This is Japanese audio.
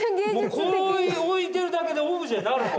こう置いてるだけでオブジェになるもん。